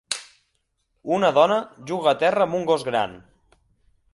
Un dona juga a terra amb un gos gran.